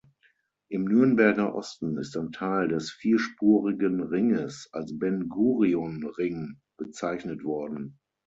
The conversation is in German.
Im Nürnberger Osten ist ein Teil des vierspurigen Ringes als Ben-Gurion-Ring bezeichnet worden.